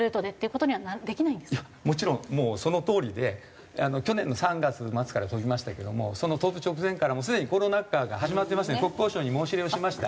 もちろんもうそのとおりで去年の３月末から飛びましたけどもその飛ぶ直前からすでにコロナ禍が始まってまして国交省に申し入れをしました。